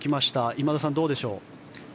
今田さん、どうでしょう。